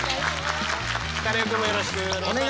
カネオくんもよろしくお願いします。